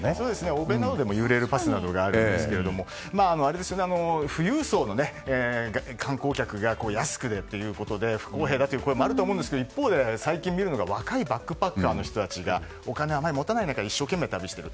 欧米などでもパスなどがあるんですけども富裕層の観光客が安くてということで不公平だという声もあると思うんですが一方で最近見るのが若いバックパッカーの人たちがお金をあまり持たずに一生懸命、旅している。